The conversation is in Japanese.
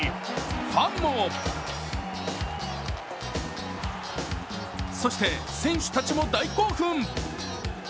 ファンもそして選手たちも大興奮。